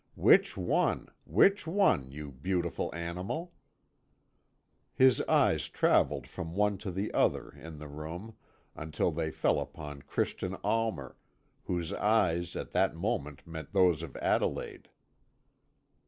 Which one, which one, you beautiful animal?" His eyes travelled from one to the other in the room, until they fell upon Christian Almer, whose eyes at that moment met those of Adelaide.